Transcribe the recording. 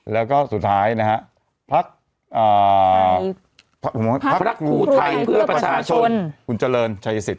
แล้วก็สุดท้ายนะครับพรรคภรรคภูมิไทยเพื่อประชาชนคุณเจริญชายสิทธิ์